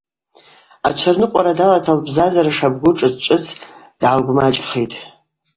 Ачварныкъвара далата лбзазара шабгу шӏыц-шӏыц йгӏалгвмачӏхитӏ.